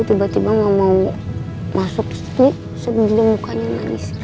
tiba tiba mau masuk sebelum sayang